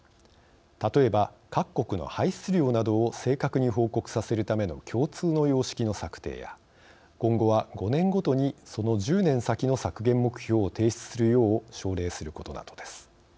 例えば、各国の排出量などを正確に報告させるための共通の様式の策定や今後は５年ごとにその１０年先の削減目標を提出するよう奨励することなどです。